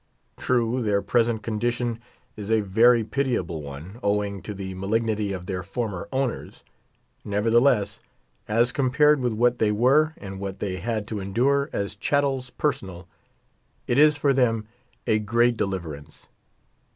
True, their present condition is a very pitiable one, owing to the malignity of their former owners ; nevertheless, as compared with what they were and what they had to en dure as chattels personal, it is for them a great deliver ance.